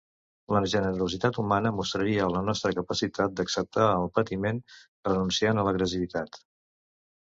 La generositat humana mostraria la nostra capacitat d'acceptar el patiment, renunciant a l'agressivitat.